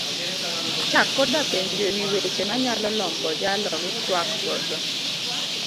Chak koda penjo ewi weche manyalo lombo jalo mitwak godo